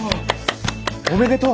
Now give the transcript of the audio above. おめでとう。